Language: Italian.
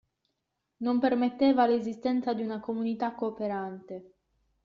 Non permetteva l'esistenza di una comunità cooperante.